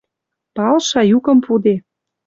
Палша, юкым пуде...»